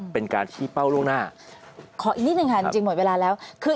เป็นการชี้เป้าร่วงหน้า